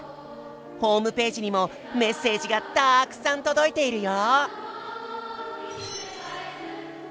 ホームページにもメッセージがたくさん届いているよ！